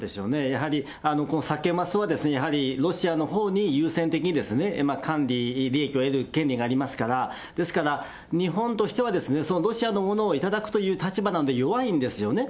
やはりやはりサケ・マスはやはりロシアのほうに優先的に管理、利益を得る権利がありますから、ですから、日本としてはそのロシアのものを頂くという立場なんで、弱いんですよね。